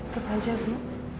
tetap saja bu